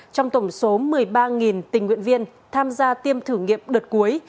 trong tổng số một mươi ba tình nguyện viên tham gia tiêm thử nghiệm đợt cuối